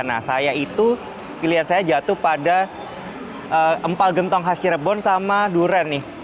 nah saya itu pilihan saya jatuh pada empal gentong khas cirebon sama durian nih